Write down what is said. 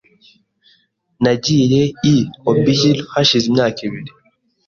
Nagiye i Obihiro hashize imyaka ibiri .